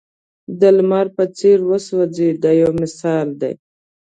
د لمر په څېر وسوځئ دا یو مثال دی.